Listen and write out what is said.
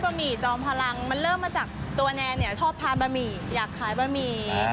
หมี่จอมพลังมันเริ่มมาจากตัวแนนเนี่ยชอบทานบะหมี่อยากขายบะหมี่